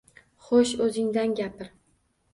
Xo`sh, o`zingdan gapir